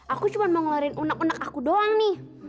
aku cuma mau ngelarin uneg uneg aku doang nih